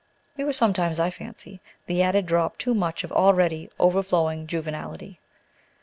We were sometimes, I fancy, the added drop too much of already overflowing juvenility.